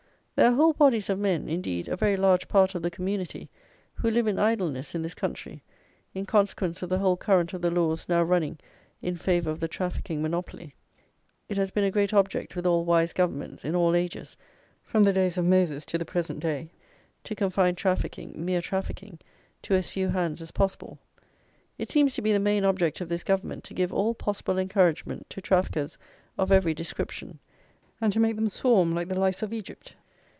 There are whole bodies of men; indeed, a very large part of the community, who live in idleness in this country, in consequence of the whole current of the laws now running in favour of the trafficking monopoly. It has been a great object with all wise governments, in all ages, from the days of Moses to the present day, to confine trafficking, mere trafficking, to as few hands as possible. It seems to be the main object of this government to give all possible encouragement to traffickers of every description, and to make them swarm like the lice of Egypt.